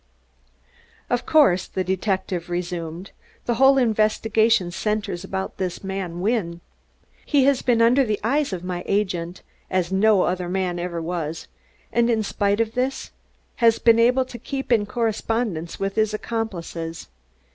"Of course," the detective resumed, "the whole investigation centers about this man Wynne. He has been under the eyes of my agents as no other man ever was, and in spite of this has been able to keep in correspondence with his accomplices.